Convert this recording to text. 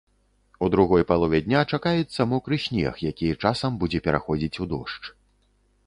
У другой палове дня чакаецца мокры снег, які часам будзе пераходзіць у дождж.